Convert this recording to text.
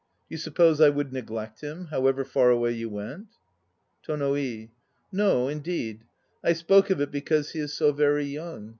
Do you suppose I would neglect him, however far away you went? TONO I. No, indeed. I spoke of it, because he is so very young.